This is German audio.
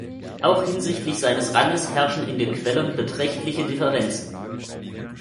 Auch hinsichtlich seines Ranges herrschen in den Quellen beträchtliche Differenzen.